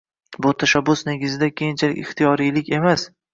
Bu tashabbus negizida keyinchalik ixtiyoriylik emas